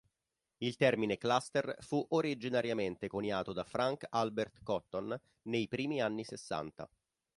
Il termine "cluster" fu originariamente coniato da Frank Albert Cotton nei primi anni sessanta.